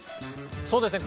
そうですね